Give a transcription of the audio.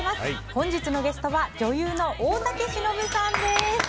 本日のゲストは女優の大竹しのぶさんです。